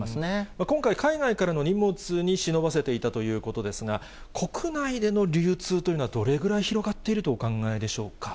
今回、海外からの荷物に忍ばせていたということですが、国内での流通というのはどれぐらい広がっているとお考えでしょうか。